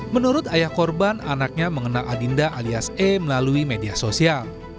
menurut ayah korban anaknya mengenal adinda alias e melalui media sosial